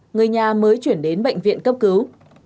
người nhà mới chuyển đến bệnh viện cấp cứu